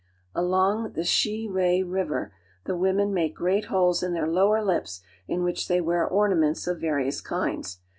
Along the Shire (she'ra) River the women make great holes in their lower lips in which they wear ornaments of various kinds.